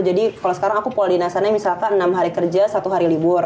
jadi kalau sekarang aku pola dinasanya misalkan enam hari kerja satu hari libur